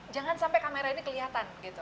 jangan sampai kamera ini kelihatan gitu